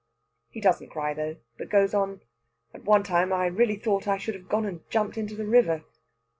He doesn't cry, though, but goes on: "At one time I really thought I should have gone and jumped into the river."